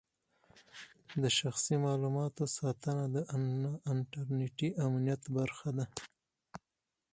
د شخصي معلوماتو ساتنه د انټرنېټي امنیت برخه ده.